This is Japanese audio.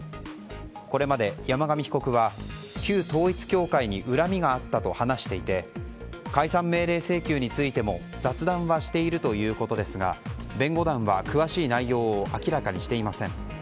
これまで山上被告は旧統一教会に恨みがあったと話していて解散命令請求についても雑談はしているということですが弁護団は詳しい内容を明らかにしていません。